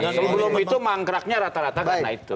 sebelum itu mangkraknya rata rata karena itu